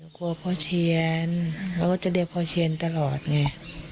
ห่ะพี่กลัวพ่อเชียญก็จะเดี๋ยวพ่อเชียญตลอดไง